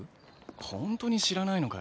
ホントに知らないのかよ